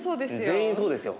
全員そうですよ